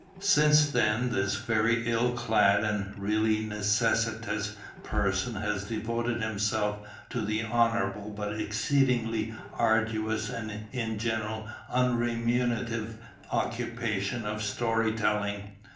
"Since then this very ill clad and really necessitous person has devoted himself to the honourable but exceedingly arduous and in general unremunerative occupation of story telling.